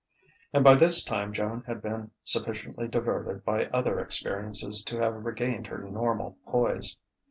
And by this time Joan had been sufficiently diverted by other experiences to have regained her normal poise.